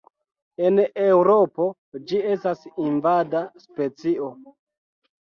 En Eŭropo ĝi estas invada specio.